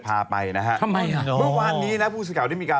พาไปนะฮะทำไมอ่ะเมื่อวานนี้นะผู้สื่อข่าวได้มีการ